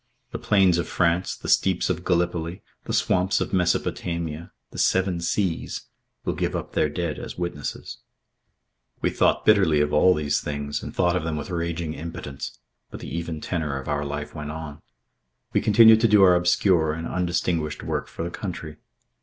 The plains of France, the steeps of Gallipoli, the swamps of Mesopotamia, the Seven Seas will give up their dead as witnesses. We spoke bitterly of all these things and thought of them with raging impotence; but the even tenor of our life went on. We continued to do our obscure and undistinguished work for the country.